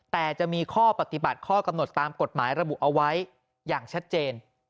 แต่จะมีข้อปฏิบัติข้อกำหนดตามกฎหมายระบุเอาไว้อย่างชัดเจน